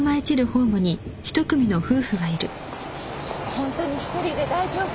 本当に１人で大丈夫？